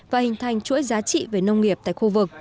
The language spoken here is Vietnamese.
và hình thành chuỗi giá trị về nông nghiệp tại khu vực